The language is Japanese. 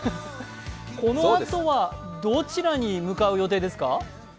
このあとはどちらに向かう予定ですか？